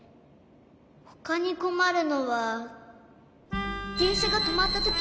ほかにこまるのはでんしゃがとまったとき。